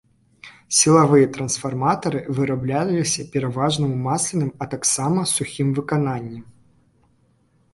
Сілавыя трансфарматары вырабляліся пераважна ў масленым, а таксама сухім выкананні.